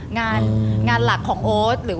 งานหลักของโอ๊ต